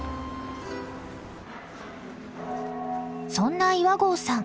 そんな岩合さん